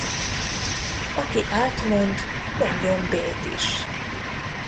Aki á-t mond, mondjon bé-t is.